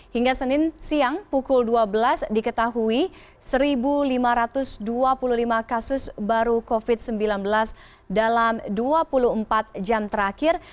hingga senin siang pukul dua belas diketahui satu lima ratus dua puluh lima kasus baru covid sembilan belas dalam dua puluh empat jam terakhir